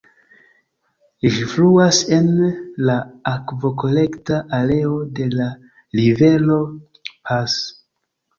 Ĝi fluas en la akvokolekta areo de la rivero Pas.